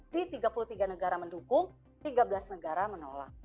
di tiga puluh tiga negara mendukung tiga belas negara menolak